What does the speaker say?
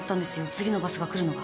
次のバスが来るのが。